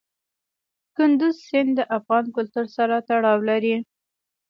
کندز سیند د افغان کلتور سره تړاو لري.